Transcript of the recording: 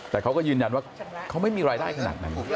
แต่เขาก็ยืนยันว่าเขาไม่มีรายได้ขนาดนั้น